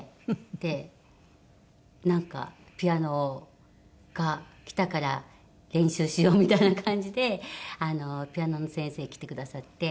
でなんかピアノがきたから練習しようみたいな感じでピアノの先生来てくださって。